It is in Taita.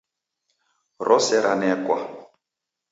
Rose ranekwa